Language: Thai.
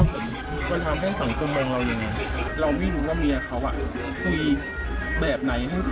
ผมจะทำให้สังคมมองเรายังไงเราไม่รู้ว่าเมียเขาอ่ะมีแบบไหน